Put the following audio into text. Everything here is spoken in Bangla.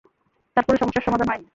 তারপরও সমস্যার সমাধান হয়নি।